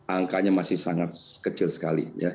angkanya masih sangat kecil sekali